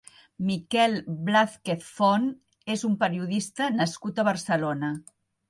Miquel Blázquez Font és un periodista nascut a Barcelona.